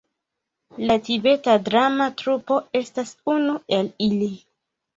La Tibeta Drama Trupo estas unu el ili.